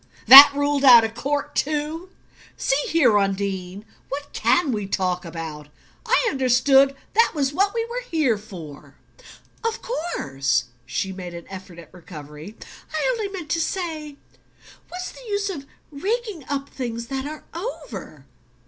"That ruled out of court too? See here. Undine what CAN we talk about? I understood that was what we were here for." "Of course." She made an effort at recovery. "I only meant to say what's the use of raking up things that are over?"